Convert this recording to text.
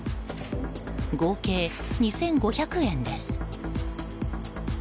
合計２５００円です。